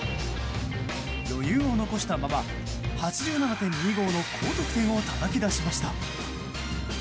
余裕を残したまま８７．２５の高得点をたたき出しました。